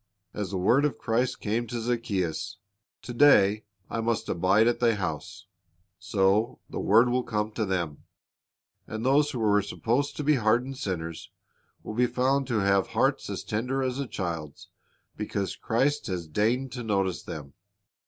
As the word of Christ came to Zacchaeus, "To day I must abide at thy house,'"' so the word will come to them; and those who were supposed to be hardened sinners will be found to have hearts as tender as a child's because Christ has deigned to notice them.